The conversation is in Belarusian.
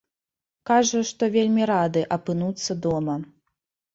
Кажа, што вельмі рады апынуцца дома.